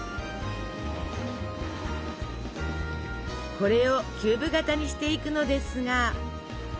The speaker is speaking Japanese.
これをキューブ型にしていくのですが。